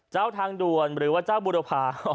ทางด่วนหรือว่าเจ้าบุรพา